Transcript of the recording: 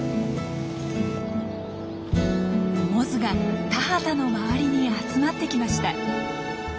モズが田畑の周りに集まってきました。